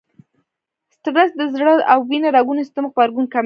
سټرس ته د زړه او وينې رګونو سيستم غبرګون کموي.